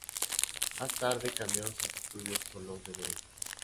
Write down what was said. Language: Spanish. Más tarde cambió sus estudios por los de Derecho.